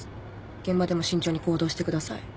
現場でも慎重に行動してください。